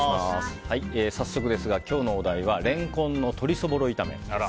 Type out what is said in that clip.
早速ですが、今日のお題はレンコンの鶏そぼろ炒めです。